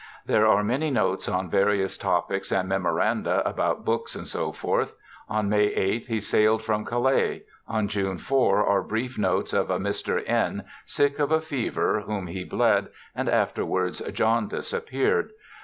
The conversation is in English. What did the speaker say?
There are many notes on various topics and memoranda about books, &c. On May 8 he sailed from Calais. On June 4 are brief notes of a Mr. N., sick of a fever, whom he bled, and afterwards jaundice appeared.